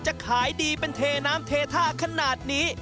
จะขายดีเป็นเทน้ำเทท่าขนาดนี้